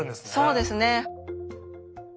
そうですね。